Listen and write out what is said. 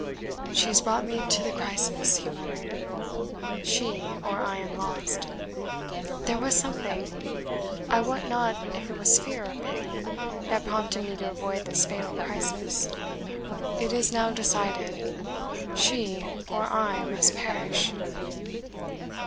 "She has brought me to the crisis," he muttered "she or I am lost. There was something I wot not if it was fear or pity that prompted me to avoid this fatal crisis. It is now decided she or I must PERISH."